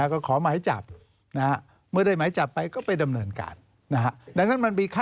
ก็ขอหมายจับ